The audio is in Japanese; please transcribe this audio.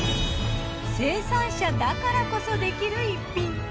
生産者だからこそできる逸品。